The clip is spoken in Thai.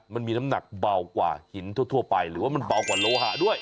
มันมีน้ำหนักเบากว่าหินทั่วไปหรือว่ามันเบากว่าโลหะด้วย